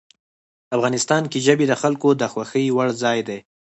افغانستان کې ژبې د خلکو د خوښې وړ ځای دی.